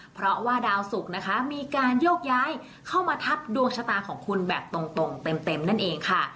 เพราะว่าดาวสุกนะคะมีการโยกย้ายเข้ามาทับดวงชะตาของคุณแบบตรงเต็มนั่นเองค่ะ